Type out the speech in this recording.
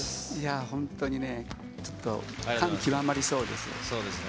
本当にね、ちょっと感極まりそうですよ。